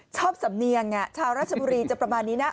สำเนียงชาวราชบุรีจะประมาณนี้นะ